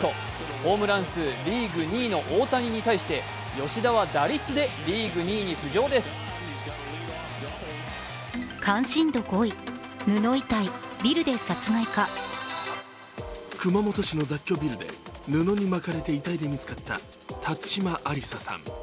ホームラン数リーグ２位の大谷に対して吉田は打率でリーグ２位に浮上です熊本市の雑居ビルで布に巻かれて遺体で見つかった辰島ありささん。